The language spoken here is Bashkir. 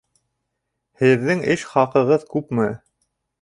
Һеҙҙең эш хаҡығыҙ күпме?